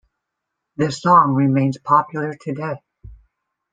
The song remains popular today.